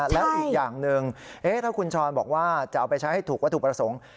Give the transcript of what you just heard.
แล้วอีกอย่างหนึ่งถ้าคุณช้อนบอกว่าจะเอาไปใช้ให้ถูกวัตถุประสงค์